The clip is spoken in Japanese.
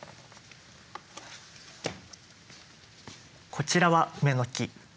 こちらはウメの木。